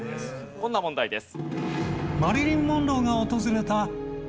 こんな問題です。